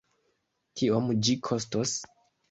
Kiom ĝi kostos?